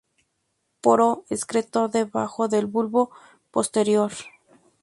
Poro excretor debajo del bulbo posterior.